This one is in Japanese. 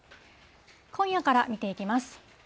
今夜から見ていきます。